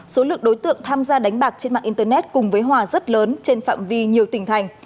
số lượng đối tượng tham gia đánh bạc trên mạng internet cùng với hòa rất lớn trên phạm vi nhiều tỉnh thành